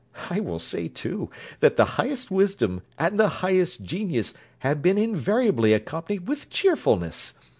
I will say, too, that the highest wisdom and the highest genius have been invariably accompanied with cheerfulness.